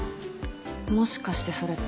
もしかしてそれって。